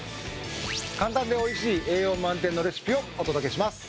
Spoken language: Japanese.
簡単でおいしい栄養満点のレシピをお届けします。